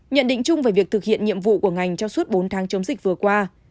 nhận định chung về việc thực hiện nhiệm vụ của ngành trong suốt bốn tháng chống dịch vừa qua